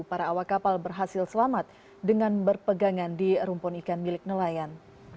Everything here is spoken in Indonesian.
para awak kapal berhasil selamat dengan berpegangan di rumpun ikan milik nelayan